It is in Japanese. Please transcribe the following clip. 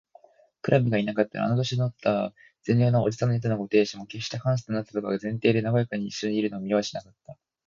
クラムがいなかったら、あの年とった善良な伯父さんの宿のご亭主も、けっしてハンスとあなたとが前庭でなごやかにいっしょにいるのを見はしなかった